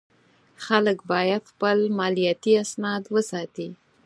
خلک باید خپل مالیاتي اسناد وساتي.